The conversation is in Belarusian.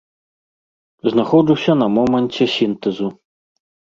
Знаходжуся на моманце сінтэзу.